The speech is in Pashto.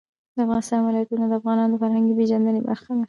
د افغانستان ولايتونه د افغانانو د فرهنګي پیژندنې برخه ده.